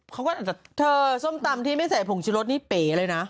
เขาก็อาจจะเธอส้มตำที่ไม่ใส่ผงชุรสนี่เป๋เลยนะ